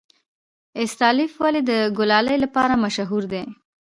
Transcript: استالف ولې د کلالۍ لپاره مشهور دی؟